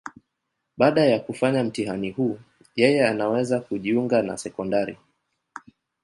Baada ya kufanya mtihani huu, yeye anaweza kujiunga na sekondari.